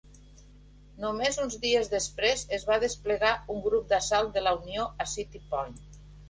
Només uns dies després, es va desplegar un grup d'assalt de la Unió a City Point.